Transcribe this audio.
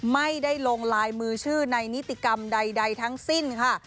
ไม่ได้ลงลายมือชื่อในนิติกรรมใดทั้งสิ้นค่ะ